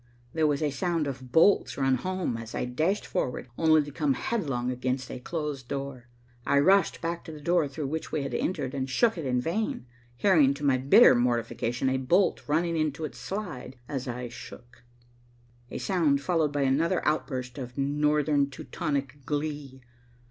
There was a sound of bolts run home as I dashed forward, only to come headlong against a closed door. I rushed back to the door through which we had entered, and shook it in vain, hearing, to my bitter mortification, a bolt running into its slide as I shook, a sound followed by another outburst of Northern Teutonic glee.